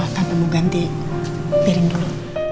tante mau ganti piring dulu